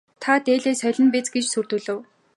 Та дээлээ солино биз гэж сүрдүүлэв.